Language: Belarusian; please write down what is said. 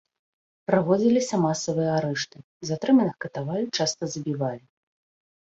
Праводзіліся масавыя арышты, затрыманых катавалі, часта забівалі.